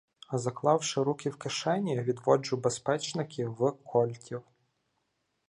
Заклавши руки в кишені, відводжу безпечники в "Кольтів".